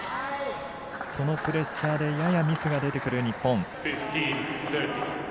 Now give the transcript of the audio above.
そのプレッシャーでややミスが出てくる日本。